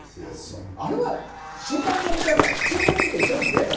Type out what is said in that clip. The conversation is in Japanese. あれは収監されたら普通の人と一緒なんですか？